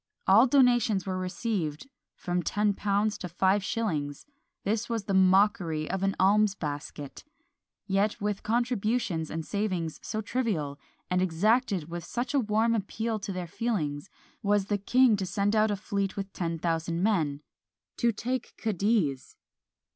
All donations were received, from ten pounds to five shillings: this was the mockery of an alms basket! Yet with contributions and savings so trivial, and exacted with such a warm appeal to their feelings, was the king to send out a fleet with ten thousand men to take Cadiz!